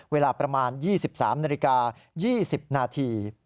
เวลาประมาณ๒๓นาฬิกา๒๐นาที